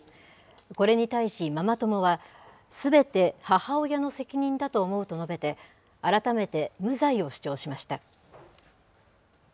これに対し、ママ友は、すべて母親の責任だと思うと述べて、改めて無罪を主張しました。